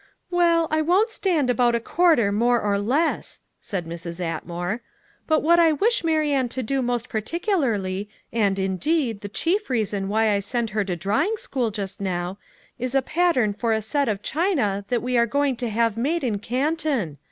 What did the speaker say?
"Well, I won't stand about a quarter more or less," said Mrs. Atmore; "but what I wish Marianne to do most particularly, and, indeed, the chief reason why I send her to drawing school just now, is a pattern for a set of china that we are going to have made in Canton.